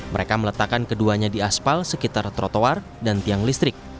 mereka meletakkan keduanya di aspal sekitar trotoar dan tiang listrik